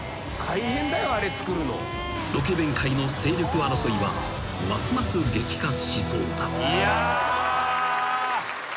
［ロケ弁界の勢力争いはますます激化しそうだ］